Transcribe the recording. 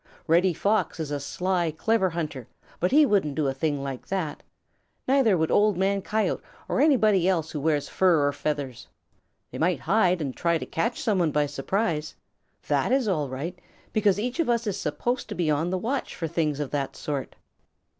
"Reddy Fox is a sly, clever hunter, but he wouldn't do a thing like that. Neither would Old Man Coyote or anybody else who wears fur or feathers. They might hide and try to catch some one by surprise. That is all right, because each of us is supposed to be on the watch for things of that sort.